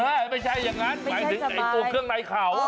ไม่ใช่อย่างนั้นหมายถึงไอ้ตัวเครื่องในเขา